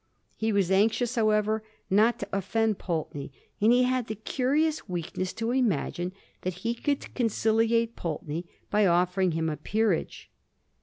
He was anxious, however, not to offend Pulteney ; and he had the curious weakness to imagine that he could conciliate Pulteney by offering him a peerage.